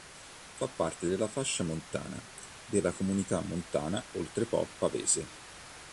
Fa parte della fascia montana della Comunità montana Oltrepò Pavese.